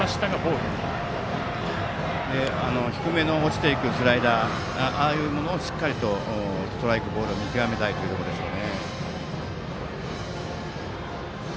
低めの落ちていくスライダーああいうのをしっかりとストライク、ボール見極めたいというところでしょう。